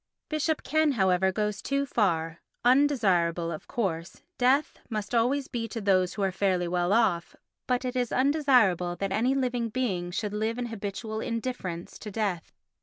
Bishop Ken, however, goes too far. Undesirable, of course, death must always be to those who are fairly well off, but it is undesirable that any living being should live in habitual indifference to death.